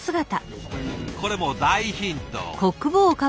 これもう大ヒント。